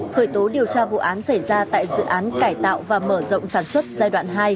khởi tố điều tra vụ án xảy ra tại dự án cải tạo và mở rộng sản xuất giai đoạn hai